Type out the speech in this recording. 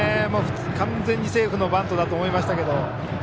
完全にセーフのバントだと思いましたけど。